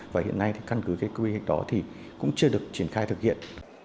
và hiện nay căn cứ quy hoạch đó thì cũng chưa được triển khai thực hiện